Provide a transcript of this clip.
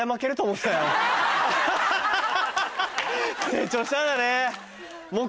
成長したんだね。